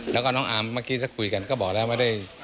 แล้วก็น้องอาร์มเมื่อกี้ถ้าคุยกันก็บอกแล้วไม่ได้